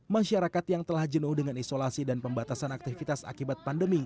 masyarakat yang telah jenuh dengan isolasi dan pembatasan aktivitas akibat pandemi